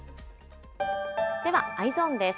ではＥｙｅｓｏｎです。